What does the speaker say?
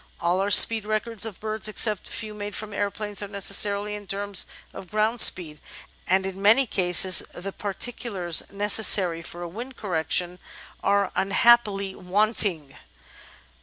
All our speed records of birds, except a few made from aeroplanes, are necessarily in terms of ground speed, and in many cases the par ticulars necessary for a wind correction are unhappily wanting.